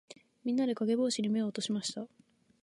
みんなで、かげぼうしに目を落としました。